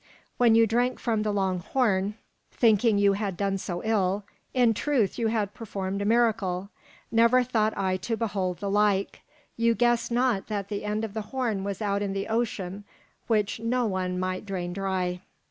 When you drank from the long horn, thinking you had done so ill, in truth you had performed a miracle, never thought I to behold the like. You guessed not that the end of the horn was out in the ocean, which no one might drain dry.